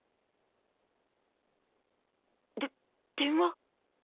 で電話！？